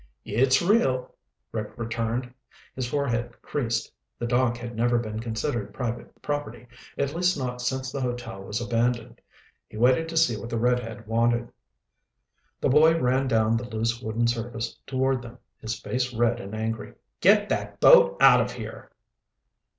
"It's real," Rick returned. His forehead creased. The dock had never been considered private property at least not since the hotel was abandoned. He waited to see what the redhead wanted. The boy ran down the loose wooden surface toward them, his face red and angry. "Get that boat out of here!"